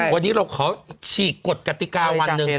วันนี้เราขอฉีกกฎกติกาวันหนึ่ง